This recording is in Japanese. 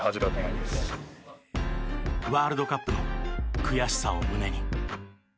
ワールドカップの悔しさを胸に。